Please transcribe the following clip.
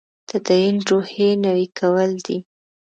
تدین روحیې نوي کول دی.